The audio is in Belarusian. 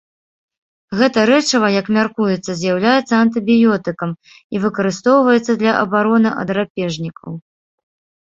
Гэта рэчыва, як мяркуецца, з'яўляецца антыбіётыкам і выкарыстоўваецца для абароны ад драпежнікаў.